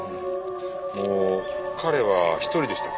あの彼は一人でしたか？